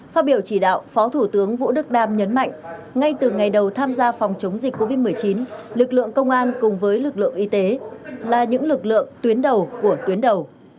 phát biểu chỉ đạo phó thủ tướng vũ đức đam nhấn mạnh ngay từ ngày đầu tham gia phòng chống dịch covid một mươi chín lực lượng công an cùng với lực lượng y tế là những lực lượng tuyến đầu của tuyến đầu